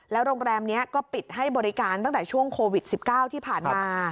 โรงแรมนี้ก็ปิดให้บริการตั้งแต่ช่วงโควิด๑๙ที่ผ่านมา